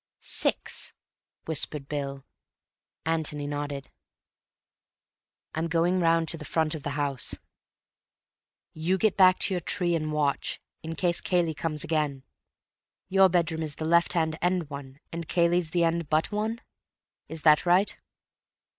"Six," whispered Bill. Antony nodded. "I'm going round to the front of the house. You get back to your tree and watch, in case Cayley comes again. Your bedroom is the left hand end one, and Cayley's the end but one? Is that right?"